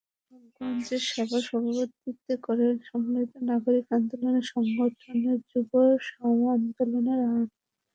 নবাবগঞ্জের সভায় সভাপতিত্ব করেন সম্মিলিত নাগরিক আন্দোলন সংগঠনের যুব আন্দোলনের আহ্বায়ক জুয়েল মাহমুদ।